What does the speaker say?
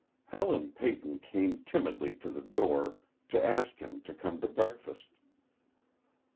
Helen Peyton came timidly to the door to ask him to come to breakfast.